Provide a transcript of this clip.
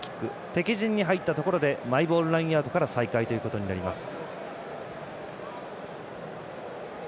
敵陣に入ったところでマイボールラインアウトから再開ということになります。